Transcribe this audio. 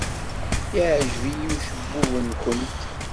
Yeɛjeb-iyi ucebbub-nwent.